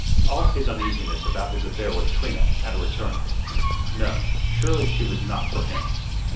All his uneasiness about his affair with Trina had returned. No, surely she was not for him.